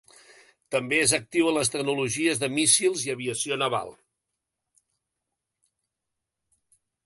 També és actiu en les tecnologies de míssils i aviació naval.